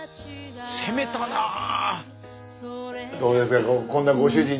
攻めたなあ！